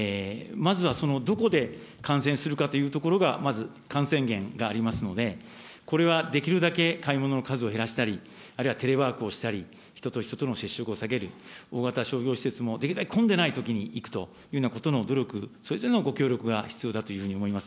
まずはそのどこで感染するかというところが、まず感染源がありますので、これはできるだけ買い物の数を減らしたり、あるいはテレワークをしたり、人と人との接触を避ける、大型商業施設もできるだけ混んでないときに行くというようなことの努力、それぞれのご協力が必要だというふうに思います。